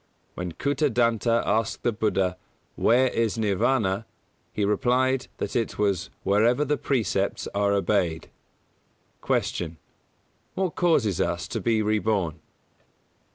When Kūtadanta asked the Buddha "Where is Nirvāna," he replied that it was "wherever the precepts are obeyed". 133. Q. _What causes us to be reborn?